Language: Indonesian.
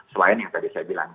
selain yang tadi saya bilang